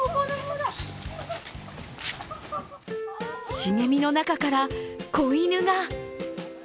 茂みの中から子犬が。